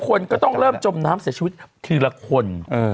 คนก็ต้องเริ่มจมน้ำเสียชีวิตทีละคน